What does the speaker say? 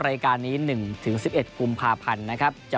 รายการนี้๑๑๑กพนะครับ